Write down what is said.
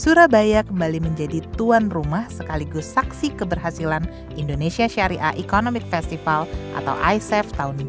surabaya kembali menjadi tuan rumah sekaligus saksi keberhasilan indonesia syariah economic festival atau icef tahun dua ribu dua puluh